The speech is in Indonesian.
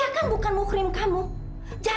aku pulang dulu deh